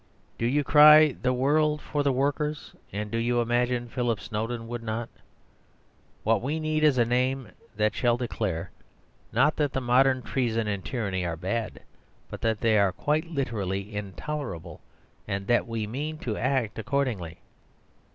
Do you cry, "The world for the workers!" and do you imagine Philip Snowden would not? What we need is a name that shall declare, not that the modern treason and tyranny are bad, but that they are quite literally, intolerable: and that we mean to act accordingly.